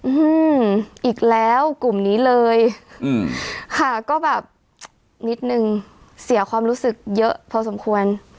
อืมอีกแล้วกลุ่มนี้เลยอืมค่ะก็แบบนิดนึงเสียความรู้สึกเยอะพอสมควร